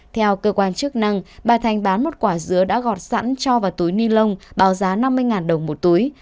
theo cơ quan chức năng bà thanh bán một quả dứa đã gọt sẵn cho vào túi ni lông bào giá năm mươi đồng một túi